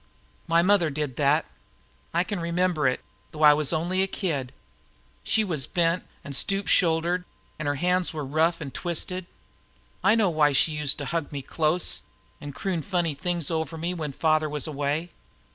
"My mother did that. I can remember it, though I was only a kid. She was bent an' stoop shouldered, an' her hands were rough and twisted. I know now why she used to hug me up close and croon funny things over me when father was away.